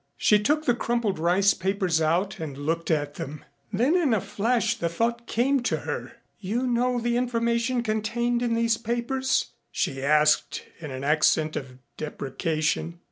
She took the crumpled rice papers out and looked at them. Then in a flash the thought came to her. "You know the information contained in these papers?" she asked in an accent of deprecation.